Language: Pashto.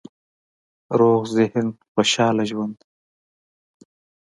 روغ ذهن، خوشحاله ژوند